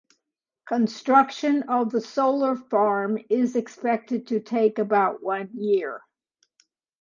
Construction of the solar farm is expected to take about one year.